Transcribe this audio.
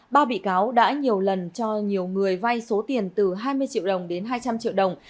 ba bị cáo đã nhiều lần cho nhiều người vay số tiền từ hai mươi triệu đồng đến hai trăm linh triệu đồng